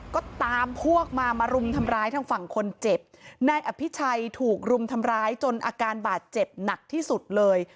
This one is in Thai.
ก็ตามพวกมามารุมทำร้ายทางฝั่งคนเจ็บนายอภิชัยถูกรุมทำร้ายจนอาการบาดเจ็บหนักที่สุดเลย